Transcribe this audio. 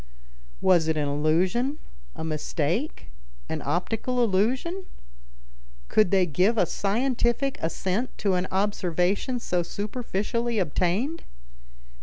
Was it an illusion, a mistake, an optical illusion? Could they give a scientific assent to an observation so superficially obtained?